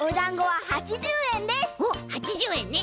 おっ８０えんね。